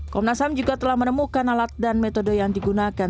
komnas ham juga telah menemukan alat dan metode yang digunakan